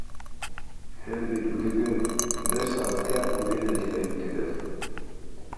— Һеҙ бит үҙегеҙ бер сәғәткә генә тип әйттегеҙ.